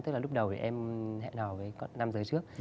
tức là lúc đầu em hẹn hò với nam giới trước